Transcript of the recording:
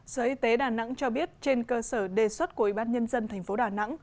sở y tế đà nẵng cho biết trên cơ sở đề xuất của ủy ban nhân dân thành phố đà nẵng